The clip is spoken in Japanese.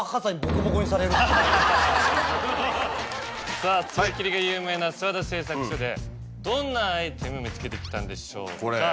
さぁ爪切りが有名な諏訪田製作所でどんなアイテム見つけてきたんでしょうか。